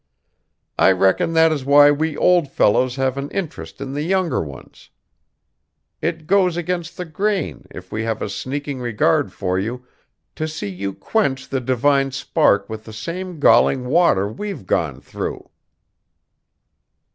I reckon that is why we old fellows have an interest in you younger ones. It goes against the grain, if we have a sneaking regard for you, to see you quench the divine spark with the same galling water we've gone through.